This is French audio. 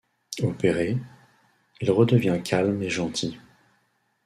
Opéré, il redevient calme et gentil.